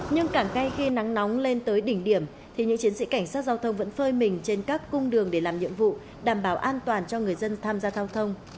nhưng càng ngay khi nắng nóng lên tới đỉnh điểm thì những chiến sĩ cảnh sát giao thông vẫn phơi mình trên các cung đường để làm nhiệm vụ đảm bảo an toàn cho người dân tham gia giao thông